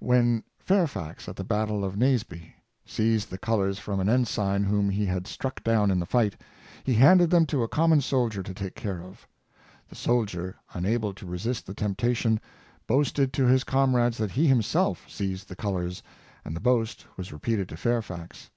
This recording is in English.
When Fairfax, at the battle of Naseby, seized the colors from an ensign whom he had struck down in the fight, he handed them to a common soldier to take care of. The soldier, unable to resist the temptation, boasted to his comrades that he himself seized the colors, and the boast was repeated to Fairfax.